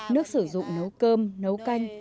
nước sử dụng nấu cơm nấu canh